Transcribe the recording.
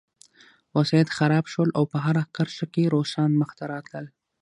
وسایط خراب شول او په هره کرښه کې روسان مخته راتلل